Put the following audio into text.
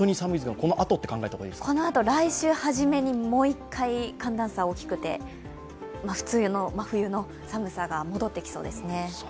このあと、来週初めにもう１回、寒暖差大きくて普通の真冬の寒さが戻ってきそうですね。